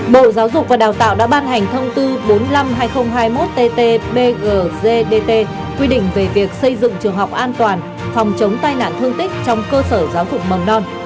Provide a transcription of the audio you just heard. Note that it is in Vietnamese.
bộ giáo dục và đào tạo đã ban hành thông tư bốn mươi năm hai nghìn hai mươi một tt bggdt quy định về việc xây dựng trường học an toàn phòng chống tai nạn thương tích trong cơ sở giáo dục mầm non